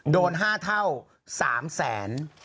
โดน๕เท่า๓แสน